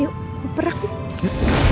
yuk berah deh